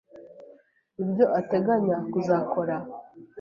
ibyo ateganya kuzakora,